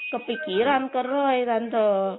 kepikiran ke roy tante